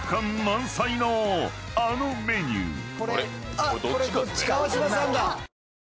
［あのメニュー］